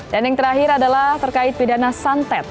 dan yang terakhir adalah terkait pidana santet